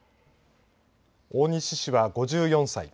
大西氏は５４歳。